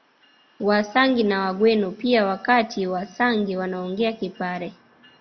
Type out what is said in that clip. Wasangi na Wagweno pia Wakati Wasangi wanaongea Kipare